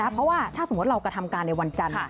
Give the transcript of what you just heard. เพราะว่าถ้าสมมุติเรากระทำการในวันจันทร์